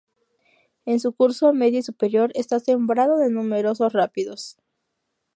En su curso medio y superior, está sembrado de numerosos rápidos.